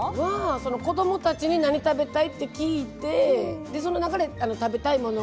子供たちに「何食べたい？」って聞いてその中で食べたいものを。